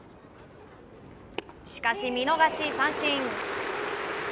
しかし、見逃し三振。